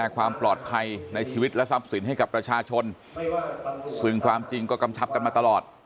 ความปลอดภัยในชีวิตและทรัพย์สินให้กับประชาชนซึ่งความจริงก็กำชับกันมาตลอด